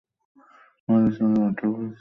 আপনার সামনে উজ্জ্বল ভবিষ্যত অপেক্ষা করছে।